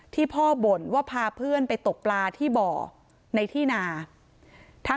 ที่พ่อบ่นว่าพาเพื่อนไปตกปลาที่บ่อในที่นา